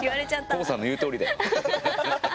ＫＯＯさんの言うとおりだよ。